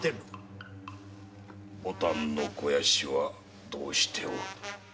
牡丹の肥やしはどうしておる？